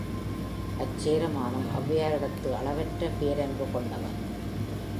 அச் சேரமானும் ஒளவையாரிடத்து அளவற்ற போன்பு கொண்டவன்.